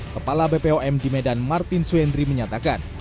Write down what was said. kepala bpom di medan martin suenri menyatakan